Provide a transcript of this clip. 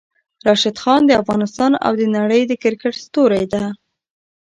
راشد خان د افغانستان او د نړۍ د کرکټ ستوری ده!